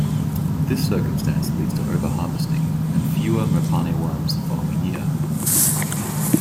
This circumstance leads to overharvesting, and fewer mopane worms the following year.